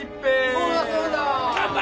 そうだそうだ。乾杯！